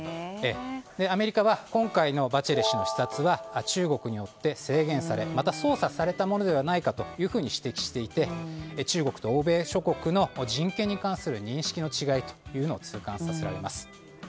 アメリカは今回のバチェレ氏の視察は中国によって制限されまた、操作されたものではないかというふうに指摘していて、中国と欧米諸国の人権に関する認識の違いを痛感させられます。